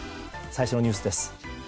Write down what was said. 最初のニュースです。